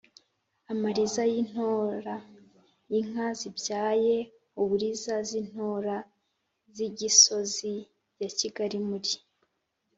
amariza y’i ntora: inka zibyaye uburiza z’i ntora(z’i gisozi ya kigali muri